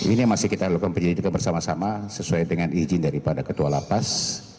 ini yang masih kita lakukan penyelidikan bersama sama sesuai dengan izin daripada ketua lapas